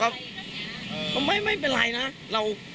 เอ่อแต่ไม่เม้นลัยนะ